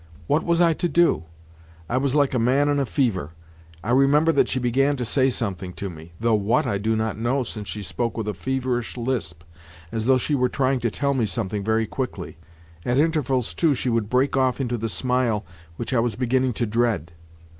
What was I to do? I was like a man in a fever. I remember that she began to say something to me—though what I do not know, since she spoke with a feverish lisp, as though she were trying to tell me something very quickly. At intervals, too, she would break off into the smile which I was beginning to dread.